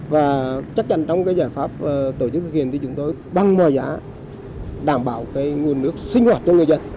và chắc chắn trong cái giải pháp tổ chức thực hiện thì chúng tôi bằng mọi giá đảm bảo cái nguồn nước sinh hoạt cho người dân